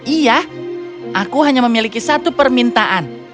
iya aku hanya memiliki satu permintaan